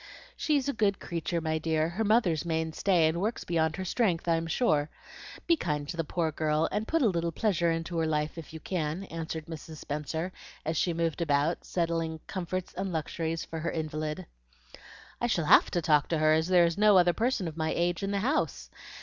"She is a good creature, my dear, her mother's main stay, and works beyond her strength, I am sure. Be kind to the poor girl, and put a little pleasure into her life if you can," answered Mrs. Spenser, as she moved about, settling comforts and luxuries for her invalid. "I shall HAVE to talk to her, as there is no other person of my age in the house.